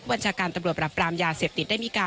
ผู้บัญชาการตำรวจปรับปรามยาเสพติด